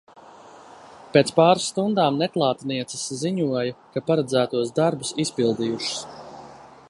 Pēc pāris stundām neklātnieces ziņoja, ka paredzētos darbus izpildījušas.